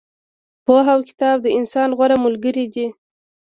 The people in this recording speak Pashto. پوهه او کتاب د انسان غوره ملګري دي.